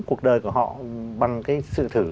cuộc đời của họ bằng cái sự thử